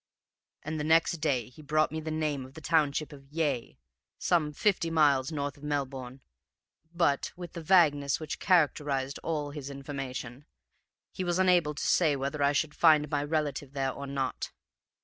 And the next day he brought me the name of the township of Yea, some fifty miles north of Melbourne; but, with the vagueness which characterized all his information, he was unable to say whether I should find my relative there or not.